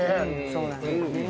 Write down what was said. そうなんですね。